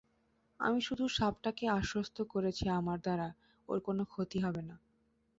আমি শুধু সাপটাকে আশ্বস্ত করেছি আমার দ্বারা ওর কোনো ক্ষতি হবে না।